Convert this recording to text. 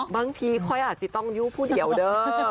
บางทีค่อยอาจจะต้องอยู่ผู้เดียวเด้อ